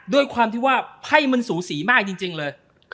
ด้วยความที่ว่าไพ่มันสูสีมากจริงเลย